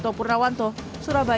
untuk bercerita tentang kontroversenya